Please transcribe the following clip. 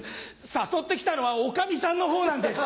誘って来たのはおかみさんのほうなんです。